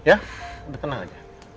udah tenang aja